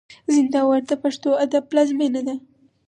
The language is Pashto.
زينداور د پښتو ادب پلازمېنه ده.